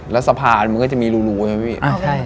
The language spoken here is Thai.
แล้วสะพานมันก็จะมีรูใช่ไหมพี่